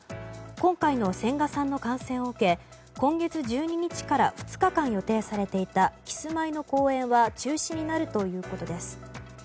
今回の千賀さんの感染を受け今月１２日から２日間予定されていたキスマイの公演は中止になるということです。